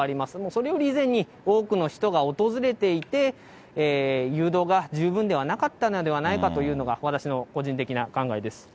それより以前に、多くの人が訪れていて、誘導が十分ではなかったのではないかというのが、私の個人的な考えです。